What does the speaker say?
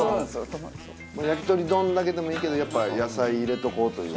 焼き鳥丼だけでもいいけどやっぱ野菜入れとこうという。